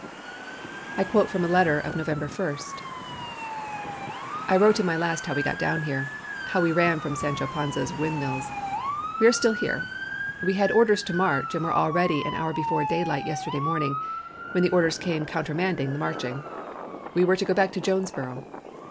I quote from a letter of November 1: "I wrote in my last how we got down here, how we ran from Sancho Panza's windmills. We are still here. We had orders to march and were all ready an hour before daylight yesterday morning, when the orders came countermanding the marching. We were to go back to Jonesboro.